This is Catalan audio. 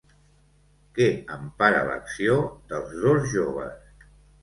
Què empara l'acció dels dos joves?